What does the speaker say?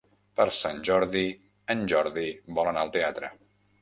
Per Sant Jordi en Jordi vol anar al teatre.